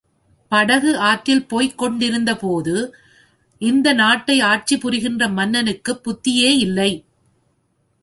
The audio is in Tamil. படகு ஆற்றில் போய்க் கொண்டிருந்தபோது, இந்த நாட்டை ஆட்சி புரிகின்ற மன்னனுக்குப் புத்தியே இல்லை.